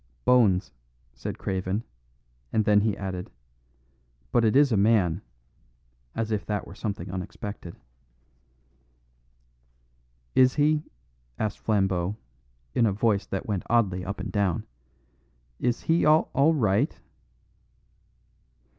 "Bones," said Craven; and then he added, "but it is a man," as if that were something unexpected. "Is he," asked Flambeau in a voice that went oddly up and down, "is he all right?"